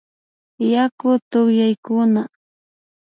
Yaku tukyaykuna